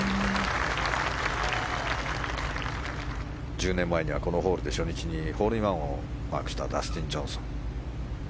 １０年前にはこのホールで初日にホールインワンをマークしたダスティン・ジョンソン。